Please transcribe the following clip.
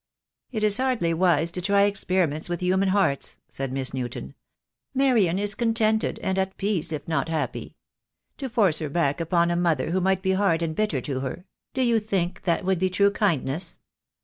"It is hardly wise to try experiments with human hearts," said Miss Newton. "Marian is contented and at peace, if not happy. To force her back upon a mother who might be hard and bitter to her — do you think that would be true kindness?"